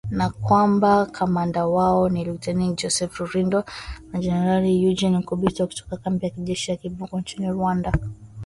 Na kwamba kamanda wao ni Luteni Joseph Rurindo na Generali Eugene Nkubito, kutoka kambi ya kijeshi ya Kibungo nchini Rwanda